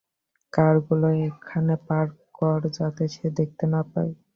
কার গুলো ওখানে পার্ক কর যাতে সে দেখতে না পায়।